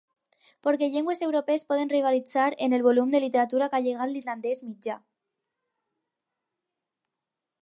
Poques llengües europees poden rivalitzar en el volum de literatura que ha llegat l'irlandès mitjà.